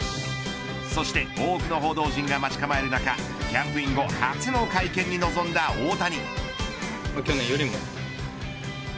そして多くの報道陣が待ち構える中キャンプイン後初の会見に臨んだ大谷。